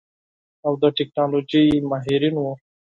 او د ټيکنالوژۍ ماهرين وو.